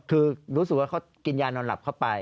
คือรู้สึกว่าเขากินยานอนหลับเข้าไป